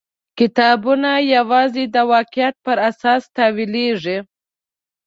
کتابونه یوازې د واقعیت پر اساس تاویلېږي.